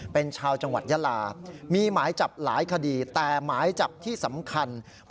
เป็นชาวจังหวัดยาลามีหมายจับหลายคดีแต่หมายจับที่สำคัญ